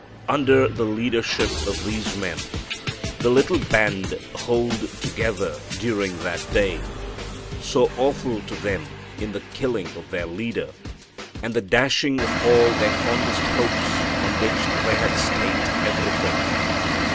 Under the leadership of these men, the little band hold together during that day, so awful to them in the killing of their leader and the dashing of all their fondest hopes on which they had staked everything.